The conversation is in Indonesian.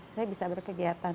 saya bisa berkegiatan